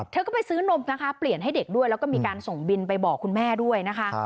เธอก็ไปซื้อนมนะคะเปลี่ยนให้เด็กด้วยแล้วก็มีการส่งบินไปบอกคุณแม่ด้วยนะคะ